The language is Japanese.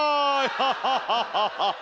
ハハハハハハ！